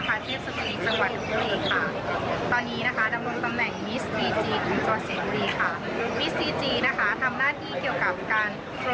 ค่ะต้องบอกก่อนว่าน้องแต้วนะคะเรียนในสาขารัฐพรรษาศาสนศาสตร์ค่ะ